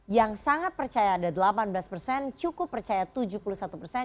yang sangat percaya ada delapan belas persen cukup percaya tujuh puluh satu persen